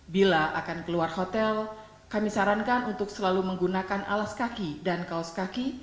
bila akan keluar hotel kami sarankan untuk selalu menggunakan alas kaki dan kaos kaki